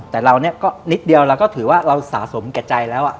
แต่เราเนี่ยก็นิดเดียวเราก็ถือว่าเราสะสมแก่ใจแล้ว